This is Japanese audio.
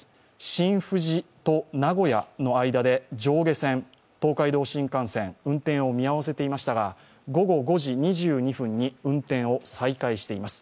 新富士と名古屋の間で上下線、運転を見合わせていましたが、午後５時２２分に運転を再開しています。